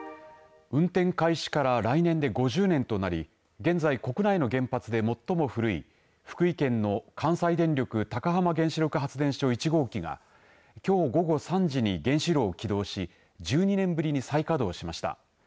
運転開始から来年で５０年となり現在国内の原発で最も古い福井県の関西電力・高浜原子力発電所１号機がきょう午後３時に原子炉を起動し１２年ぶりに再稼働しました。